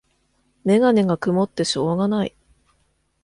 メガネがくもってしょうがない